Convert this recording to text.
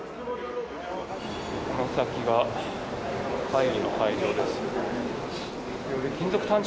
この先が会議の会場です。